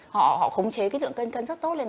họ khống chế cái lượng cân rất tốt lên